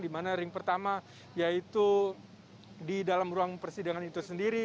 di mana ring pertama yaitu di dalam ruang persidangan itu sendiri